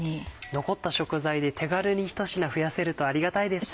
残った食材で手軽にひと品増やせるとありがたいですね。